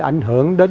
ảnh hưởng đến